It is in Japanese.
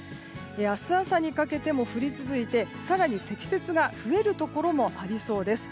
明日朝にかけても降り続いて更に積雪が増えるところもありそうです。